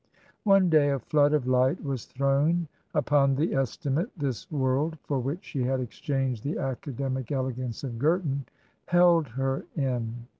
One day a flood of light was thrown upon the esti mate this world, for which she had exchanged the academic elegance of Girton, held her in.